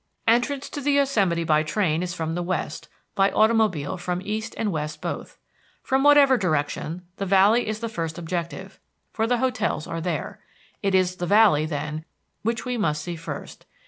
Entrance to the Yosemite by train is from the west, by automobile from east and west both. From whatever direction, the Valley is the first objective, for the hotels are there. It is the Valley, then, which we must see first.